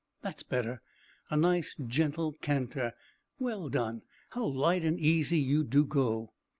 That's better; a nice gentle canter. Well done! How light and easy you do go."